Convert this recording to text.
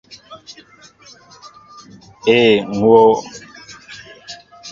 Ee, ŋ wóó.